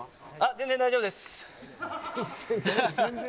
全然大丈夫です。